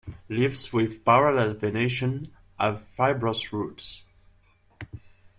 Leaves with parallel venation have fibrous roots.